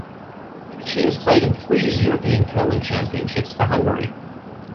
She has played in three European Curling Championships for Hungary.